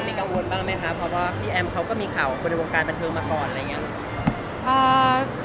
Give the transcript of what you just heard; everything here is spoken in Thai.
มีกังวลบ้างไหมคะเพราะว่าพี่แอมเขาก็มีข่าวคนในวงการบันเทิงมาก่อนอะไรอย่างนี้